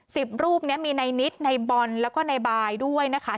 สิบรูปนี้มีนายนิดนายบลนแล้วก็นายบายด้วยนะคะ